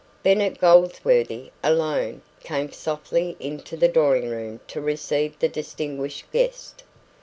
Bennet Goldsworthy, alone, came softly into the drawing room to receive the distinguished guest.